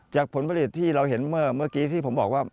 ผลผลิตที่เราเห็นเมื่อกี้ที่ผมบอกว่า